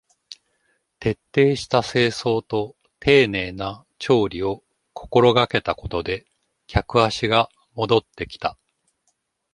徹底した清掃と丁寧な調理を心がけたことで客足が戻ってきた